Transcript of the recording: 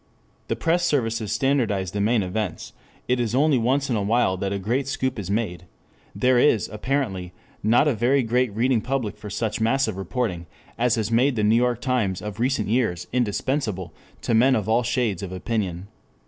The press services standardize the main events; it is only once in a while that a great scoop is made; there is apparently not a very great reading public for such massive reporting as has made the New York Times of recent years indispensable to men of all shades of opinion.